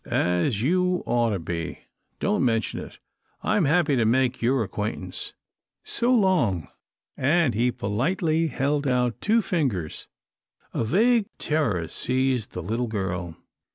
"As you ought to be," he finished. "Don't mention it. I'm happy to make your acquaintance. So long," and he politely held out two fingers. A vague terror seized the little girl.